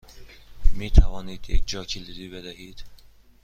می توانید یک جاکلیدی بدهید؟